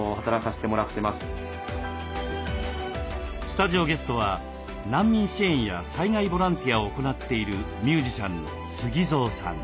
スタジオゲストは難民支援や災害ボランティアを行っているミュージシャンのＳＵＧＩＺＯさん。